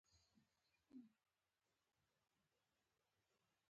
پوهان وایي چې د علم او پوهې څراغ تل روښانه او هدایت کوونکې وي